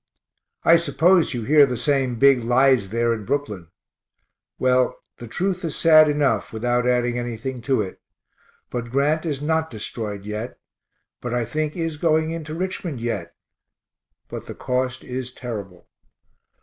I suppose you hear the same big lies there in Brooklyn. Well, the truth is sad enough, without adding anything to it but Grant is not destroyed yet, but I think is going into Richmond yet, but the cost is terrible.